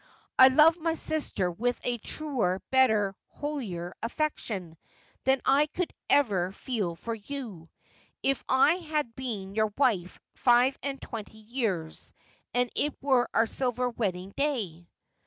I love my sister with a truer, better, holier affection than I could ever feel for you — if I had been your wife five and twenty years, and it were our silver wedding day.'